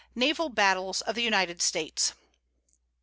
NAVAL BATTLES OF THE UNITED STATES.